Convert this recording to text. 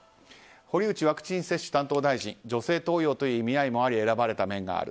堀内ワクチン接種担当大臣女性登用という意味合いもあり選ばれた面がある。